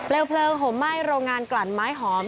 เลียวเพลิงห่วงไม้โรงงานกลั่นไม้หมา